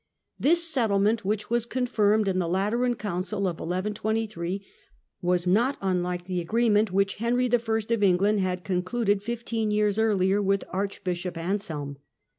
This settlement, which was confirmed in the Lateran Council of 1123, was not unlike the agreement which Henry I. of England had concluded fifteen years earlier with Archbishop Anselm.